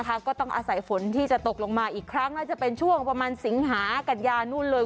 ก็ต้องอาศัยฝนที่จะตกลงมาอีกครั้งน่าจะเป็นช่วงประมาณสิงหากัญญานู่นเลย